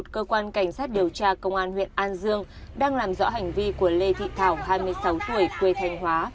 cơ quan cảnh sát điều tra công an huyện an dương đang làm rõ hành vi của lê thị thảo hai mươi sáu tuổi quê thanh hóa